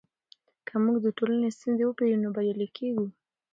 که موږ د ټولنې ستونزې وپېژنو نو بریالي کیږو.